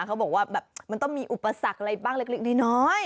เขาบอกว่าแบบมันต้องมีอุปสรรคอะไรบ้างเล็กน้อย